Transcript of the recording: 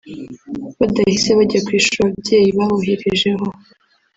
badahise bajya ku ishuri ababyeyi baboherejeho